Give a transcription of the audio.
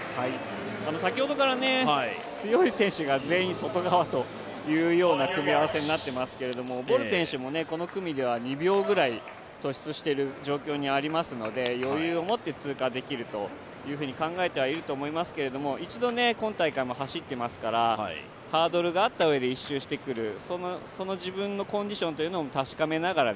先ほどから、強い選手が全員外側といういうような組み合わせになってますけどボル選手もこの組では２秒ぐらい突出していることになっているので余裕を持って、通過できると考えてはいると思いますけど一度ね今大会も走っていますからハードルがあったうえで１周してくる、その自分のコンディションというのも確かめながら